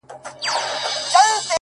• زه سم پء اور کړېږم ستا په محبت شېرينې؛